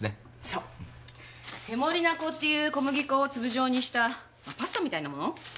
そうセモリナ粉っていう小麦粉を粒状にしたパスタみたいなもの。